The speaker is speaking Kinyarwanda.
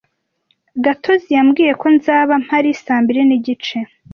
Gatozi yambwiye ko nzaba mpari saa mbiri n'igice.